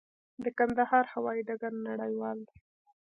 د کندهار هوايي ډګر نړیوال دی؟